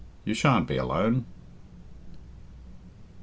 You shan't be alone."